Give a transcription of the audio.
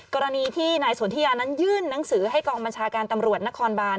กรณีที่นายสนทิยานั้นยื่นหนังสือให้กองบัญชาการตำรวจนครบาน